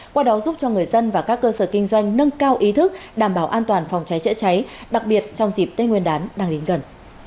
qua đó giúp cho người dân và các cơ sở kinh doanh nâng cao ý thức đảm bảo an toàn phòng cháy chữa cháy đặc biệt trong dịp tết nguyên đán đang đến gần